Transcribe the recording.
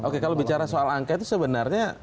oke kalau bicara soal angka itu sebenarnya